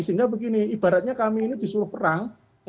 sehingga begini ibaratnya kami ini disuruh perang